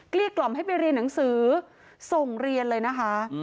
เรียกกล่อมให้ไปเรียนหนังสือส่งเรียนเลยนะคะ